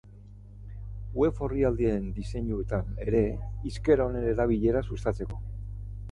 Web orrialdeen diseinuetan ere hizkera honen erabilera sustatzeko.